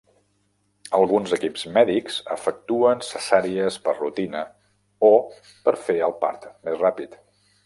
Alguns equips mèdics efectuen cesàries per rutina o per a fer el part més ràpid.